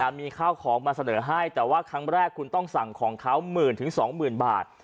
มีข้าวของมาเสนอให้แต่ว่าครั้งแรกคุณต้องสั่งของเขาหมื่นถึงสองหมื่นบาท